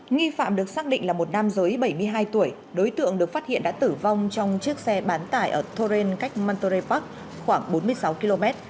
nghi phạm được xác định là một nam giới bảy mươi hai tuổi đối tượng được phát hiện đã tử vong trong chiếc xe bán tải ở toren cách montre park khoảng bốn mươi sáu km